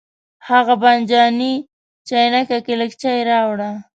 هغه بانجاني چاینکه کې لږ چای راوړه.